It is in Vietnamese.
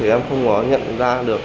em không có nhận ra được